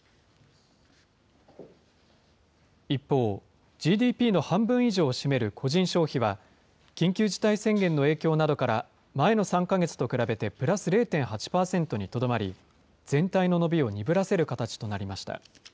一方、ＧＤＰの半分以上を占める個人消費は、緊急事態宣言の影響などから、前の３か月と比べてプラス０．８％にとどまり、全体の伸びを鈍らせる形となりました。